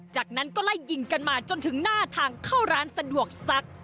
จากนั้นก็ไล่ยิงกันมาจนถึงหน้าทางเข้าร้านสะดวกซัก